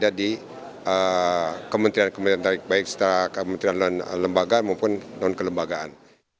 jadi kementerian kementerian baik secara kementerian non lembaga maupun non kelembagaan